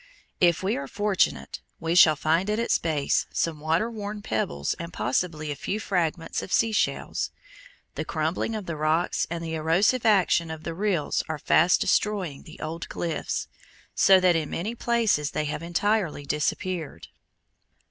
If we are fortunate, we shall find at its base some water worn pebbles and possibly a few fragments of sea shells. The crumbling of the rocks and the erosive action of the rills are fast destroying the old cliffs, so that in many places they have entirely disappeared.